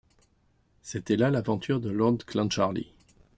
C’était là l’aventure de lord Clancharlie.